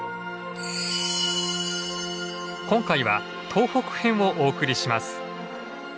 今回は東北編をお送りします。